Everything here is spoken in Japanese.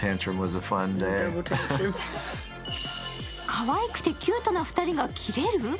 かわいくてキュートな２人がキレる？